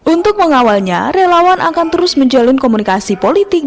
untuk mengawalnya relawan akan terus menjalin komunikasi politik